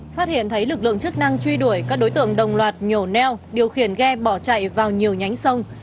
phát hiện thấy lực lượng chức năng truy đuổi các đối tượng đồng loạt nhổ neo điều khiển ghe bỏ chạy vào nhiều nhánh sông